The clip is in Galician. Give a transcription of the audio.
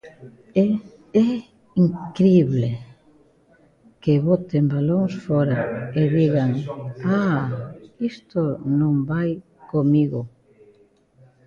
E é incrible que boten balóns fóra e digan:¡ah!, isto non vai comigo.